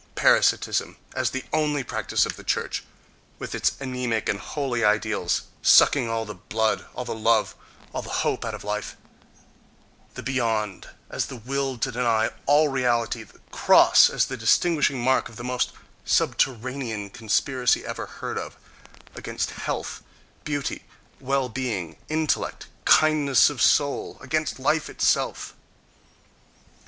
—Parasitism as the only practice of the church; with its anæmic and "holy" ideals, sucking all the blood, all the love, all the hope out of life; the beyond as the will to deny all reality; the cross as the distinguishing mark of the most subterranean conspiracy ever heard of,—against health, beauty, well being, intellect, kindness of soul—against life itself....